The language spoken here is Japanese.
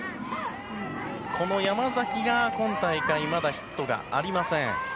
この山崎が今大会まだヒットがありません。